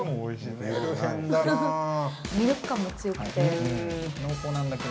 ミルク感も強くて。